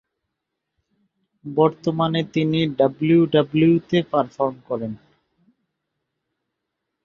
বর্তমানে তিনি ডাব্লিউডাব্লিউইতে পারফর্ম করেন।